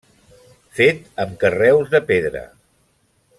Fet amb carreus de pedra.